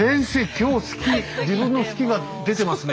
今日好き自分の好きが出てますね。